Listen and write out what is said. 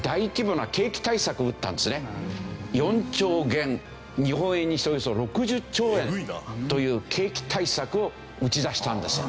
４兆元日本円にしておよそ６０兆円という景気対策を打ち出したんですよ。